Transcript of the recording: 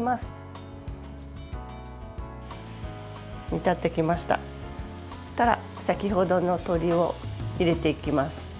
そしたら先ほどの鶏を入れていきます。